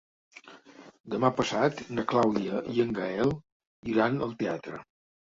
Demà passat na Clàudia i en Gaël iran al teatre.